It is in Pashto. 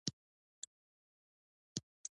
روبوټونه د دقیق حس کوونکو په مرسته کار کوي.